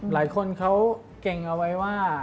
หลายคนเขาเก่งเอาไว้ว่า